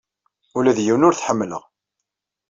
Ula d yiwen ur t-ḥemmleɣ.